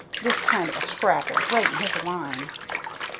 This kind of a scrap is right in his line."